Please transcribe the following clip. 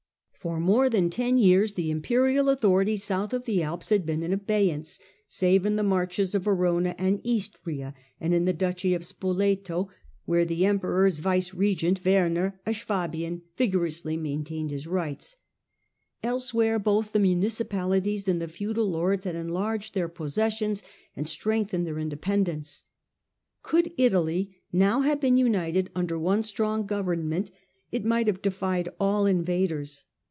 For more than ten years the imperial authority south of the Alps had been in abeyance, save in the marches of Verona and Istria and in the duchy of Spoleto, where the emperor's vice gerent, Werner, a Swabian, vigorously maintained his rights. Elsewhere both the municipalities and the feudal lords had en larged their possessions and strengthened their indepen dence. Could Italy now have been united under one strong government it might have defied all invaders.